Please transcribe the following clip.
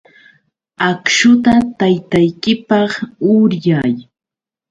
Akśhuta taytaykipaq uryay.